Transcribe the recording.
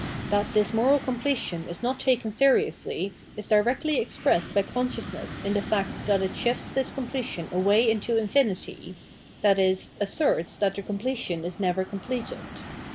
That this moral completion is not taken seri ously is directly expressed by consciousness in the fact that it shifts this completion away into infinity, i.e, asserts that the completion is never completed.